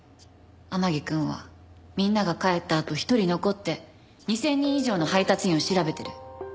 天樹くんはみんなが帰ったあと一人残って２０００人以上の配達員を調べてる。